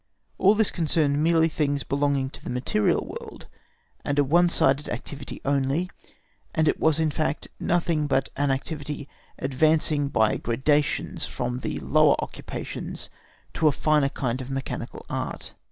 All this concerned merely things belonging to the material world and a one sided activity only, and it was in fact nothing but an activity advancing by gradations from the lower occupations to a finer kind of mechanical art.